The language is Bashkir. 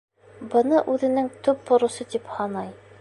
Быны үҙенең төп бурысы тип һанай.